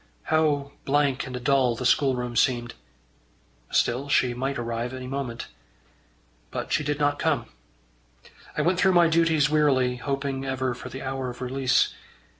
How blank and dull the schoolroom seemed! Still she might arrive any moment. But she did not come. I went through my duties wearily, hoping ever for the hour of release.